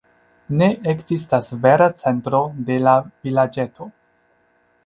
Ne ekzistas vera centro de la vilaĝeto.